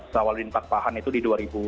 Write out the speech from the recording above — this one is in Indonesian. sawal di pak pahan itu di dua ribu tiga belas